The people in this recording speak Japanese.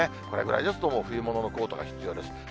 これぐらいですと冬物のコートが必要です。